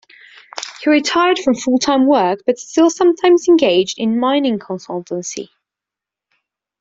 He retired from full-time work, but still sometimes engaged in mining consultancy.